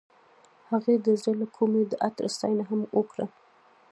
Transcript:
هغې د زړه له کومې د عطر ستاینه هم وکړه.